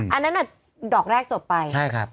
อันนั้นอ่ะดอกแรกจบไป